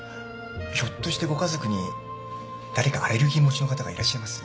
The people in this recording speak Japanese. ひょっとしてご家族に誰かアレルギー持ちの方がいらっしゃいます？